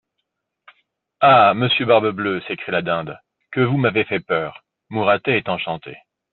Ah ! monsieur Barbe Bleue, s'écrie la Dinde, que vous m'avez fait peur ! Mouratet est enchanté.